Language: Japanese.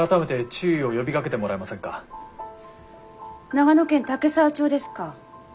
長野県岳沢町ですか。